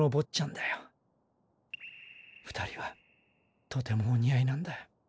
２人はとてもお似合いなんだ。